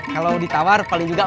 kalau ditawar paling juga empat belas